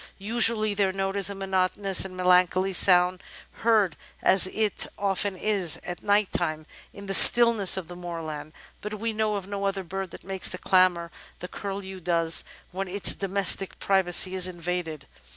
UsuaUy, their note is a monotonous and melancholy sound, heard, as it often is, at night time in the stillness of the moorland, but we know of no other bird that makes the clamour the Curlew does when its domestic privacy is invaded.